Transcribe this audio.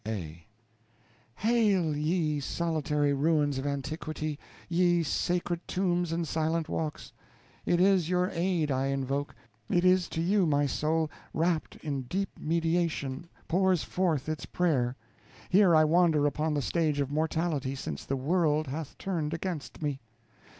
A. Hail, ye solitary ruins of antiquity, ye sacred tombs and silent walks! it is your aid I invoke; it is to you, my soul, wrapt in deep mediation, pours forth its prayer. Here I wander upon the stage of mortality, since the world hath turned against me.